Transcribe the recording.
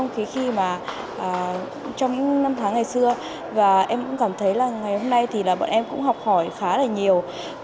khi mà trong những năm tháng ngày xưa và em cũng cảm thấy là ngày hôm nay thì là bọn em cũng học hỏi khá là nhiều